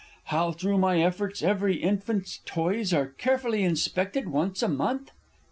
How through my efforts every infant's toys Are carefully inspected once a month